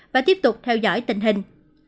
và tiếp tục theo dõi tình hình